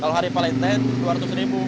kalau hari valentine dua ratus ribu